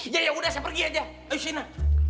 ya ya udah saya pergi aja ayo shaina